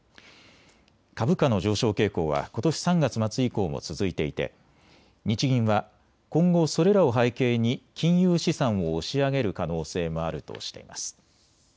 株価の上昇傾向はことし３月末以降も続いていて日銀は今後、それらを背景に金融資産を押し上げる可能性もあるとしています。